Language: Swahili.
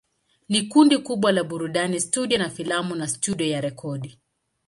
Ni kundi kubwa la burudani, studio ya filamu na studio ya rekodi.